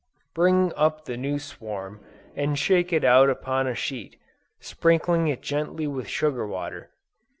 Bring up the new swarm and shake it out upon a sheet, sprinkling it gently with sugar water.